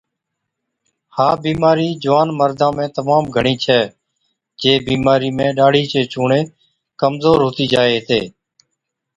ها بِيمارِي جُوان مردان ۾ تمام گھڻِي ڇَي، جي بِيمارِي ۾ ڏاڙهِي چي چُونڻي ڪمزور هُتِي جائي هِتي،